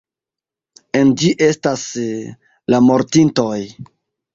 En ĝi estas... la mortintoj!